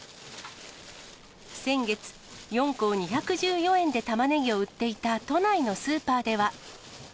先月、４個２１４円でたまねぎを売っていた都内のスーパーでは。